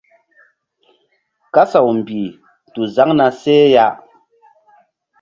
Kasaw mbih tu zaŋ na seh ya.